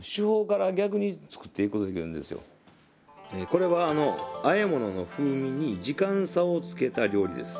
これはあえものの風味に時間差をつけた料理です。